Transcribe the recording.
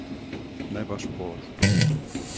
Не баш под.